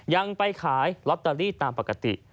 ยังไปขายลอตเตอรี่ตามปกติ